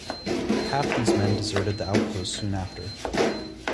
Half these men deserted the outpost soon after.